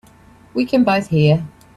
We can both hear.